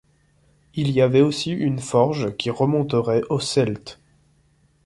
Il y avait aussi une forge qui remonterait aux Celtes.